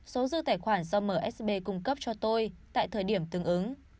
số dư tài khoản do msb cung cấp cho tôi tại thời điểm tương ứng